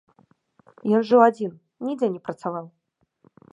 Ён жыў адзін, нідзе не працаваў.